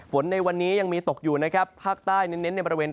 ในวันนี้ยังมีตกอยู่นะครับภาคใต้เน้นในบริเวณ